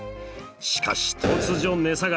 しかし突如値下がり。